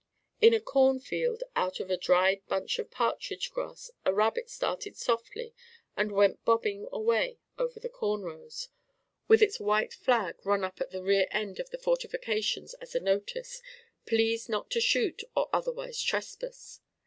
In a corn field out of a dried bunch of partridge grass a rabbit started softly and went bobbing away over the corn rows with its white flag run up at the rear end of the fortifications as a notice "Please not to shoot or otherwise trespass!"